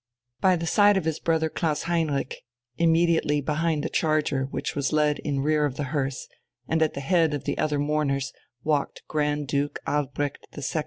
By the side of his brother Klaus Heinrich, immediately behind the charger which was led in rear of the hearse, and at the head of the other mourners, walked Grand Duke Albrecht II.